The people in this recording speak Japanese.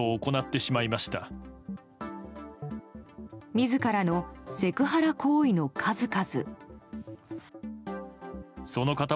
自らのセクハラ行為の数々。